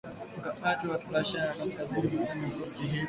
mkataba wa atlantiki ya kaskazini imesema vikosi hivyo